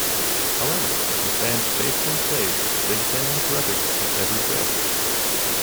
However, his band faithfully played "Big Ten Inch Record" at every show.